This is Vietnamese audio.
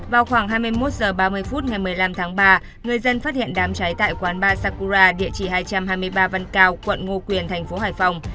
vào khoảng hai mươi một h ba mươi phút ngày một mươi năm tháng ba người dân phát hiện đám cháy tại quán ba sacura địa chỉ hai trăm hai mươi ba văn cao quận ngo quyền thành phố hải phòng